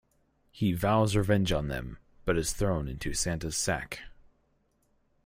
He vows revenge on them, but is thrown into Santa's sack.